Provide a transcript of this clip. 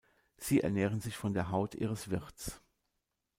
Sie ernähren sich von der Haut ihres Wirts.